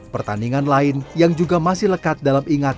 pertandingan lain yang juga masih lekat dalam perjuangan ini